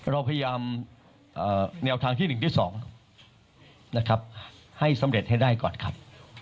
เราพยายามแนวทางที่๑ที่๒นะครับให้สำเร็จให้ได้ก่อนครับ